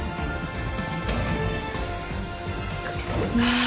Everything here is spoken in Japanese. ああ。